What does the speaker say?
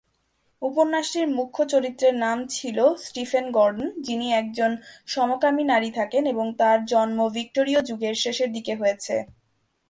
উপন্যাসটির মুখ্য চরিত্রের নাম ছিলো স্টিফেন গর্ডন যিনি একজন সমকামী নারী থাকেন এবং তার জন্ম ভিক্টোরীয় যুগের শেষের দিকে হয়েছে।